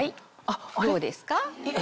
どうですか？